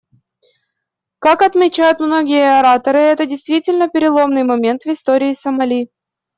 Как отмечают многие ораторы, это действительно переломный момент в истории Сомали.